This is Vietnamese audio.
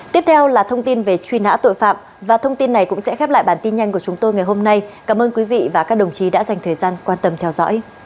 tiếp theo là thông tin về truy nã tội phạm và thông tin này cũng sẽ khép lại bản tin nhanh của chúng tôi ngày hôm nay cảm ơn quý vị và các đồng chí đã dành thời gian quan tâm theo dõi